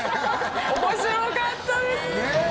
面白かったですねえ